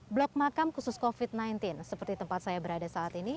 blok makam khusus covid sembilan belas seperti tempat saya berada saat ini